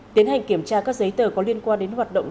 tiến hành kiểm tra các giấy tờ có liên quan đến hoạt động